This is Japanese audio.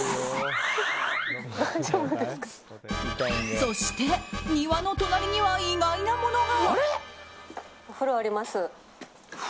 そして庭の隣には意外なものが。